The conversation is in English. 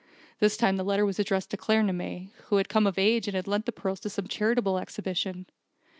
This time the letter was addressed to Claremanagh, who had come of age and had lent the pearls to some charitable exhibition.